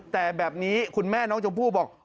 แต่แบบนี้คุณแม่น้องชมพู่บอก